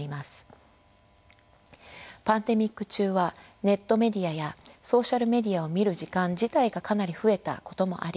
パンデミック中はネットメディアやソーシャルメディアを見る時間自体がかなり増えたこともあり